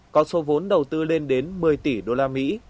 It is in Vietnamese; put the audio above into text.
có số vốn đầu tư lên đến một mươi tỷ đô la mỹ